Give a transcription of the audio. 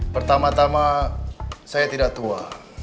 pertama tama saya tidak tua